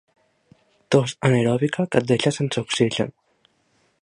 Tos anaeròbica que et deixa sense oxigen.